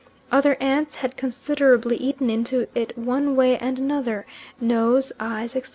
Other ants had considerably eaten into it one way and another; nose, eyes, etc.